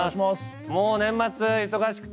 もう年末忙しくて。